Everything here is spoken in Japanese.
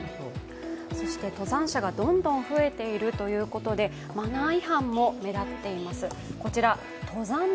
そして、登山者がどんどん増えているということでマナー違反も目立っています。